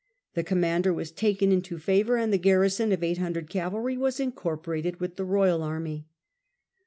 The commander was taken into favour, and the garrison of 800 cavalry was incorporated with the royal army.